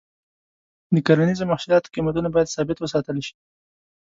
د کرنیزو محصولاتو قیمتونه باید ثابت وساتل شي.